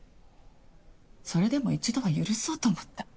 それでも一度は許そうと思った。